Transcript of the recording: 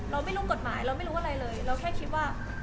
เราไม่รู้กฎหมายเราไม่รู้อะไรเลยเราแค่คิดว่า